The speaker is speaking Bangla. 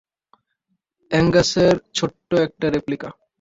অ্যাঙ্গাসের ছোট্ট একটা রেপ্লিকা!